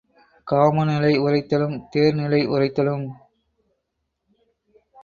காமநிலை உரைத்தலும் தேர்நிலை உரைத்தலும்